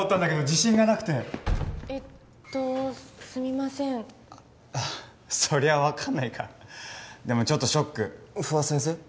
自信がなくてえっとすみませんそりゃ分かんないかでもちょっとショック不破先生